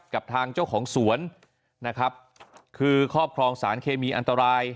กับทางเจ้าของสวนนะครับคือครอบครองสารเคมีอันตราย